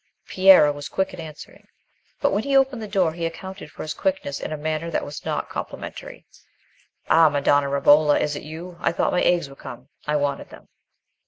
Piero was quick in answering, but when he opened the door he accounted for his quickness in a manner that was not complimentary. "Ah, Madonna Romola, is it you? I thought my eggs were come; I wanted them."